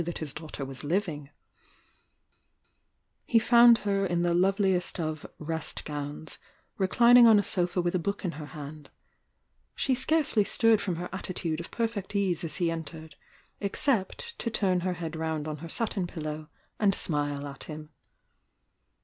m 854 THE YOUNG DIANA that his daughter was living, he found her in Uie loveliest of "rest gowns," rechnmg «^n %"»'» 7''*" » book in her hand. she scarcely stirred from her at titude of perfect ease as he entered, except to turn her head round on her satin pillow and smile at him.